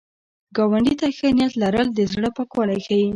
ګاونډي ته ښه نیت لرل، د زړه پاکوالی ښيي